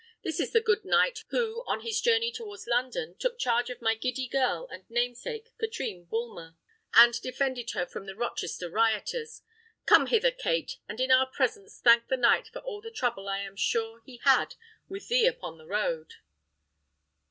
This is the good knight who, on his journey towards London, took charge of my giddy girl and namesake, Katrine Bulmer, and defended her from the Rochester rioters. Come hither, Kate, and in our presence thank the knight for all the trouble I am sure he had with thee upon the road."